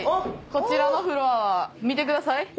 こちらのフロアは見てください。